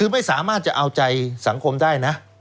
ไม่ได้เอาใจสังคมได้นะ